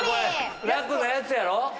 楽なやつやろ！